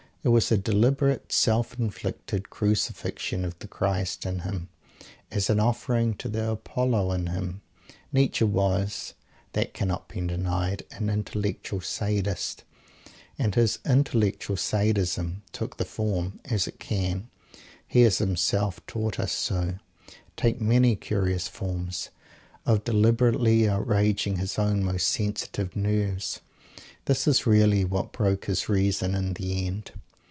It was a deliberate self inflicted Crucifixion of the Christ in him, as an offering to the Apollo in him. Nietzsche was that cannot be denied an Intellectual Sadist; and his Intellectual Sadism took the form as it can (he has himself taught us so) take many curious forms of deliberately outraging his own most sensitive nerves. This is really what broke his reason, in the end.